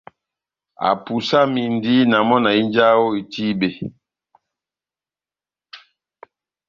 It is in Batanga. Apusamindi na mɔ́ na hínjaha ó itíbe.